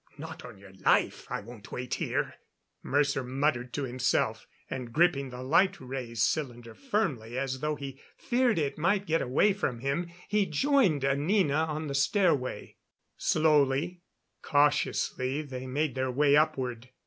"Not on your life, I won't wait here," Mercer muttered to himself, and, gripping the light ray cylinder firmly as though he feared it might get away from him, he joined Anina on the stairway. Slowly, cautiously they made their way upward.